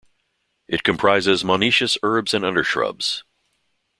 It comprises monoecious herbs or undershrubs.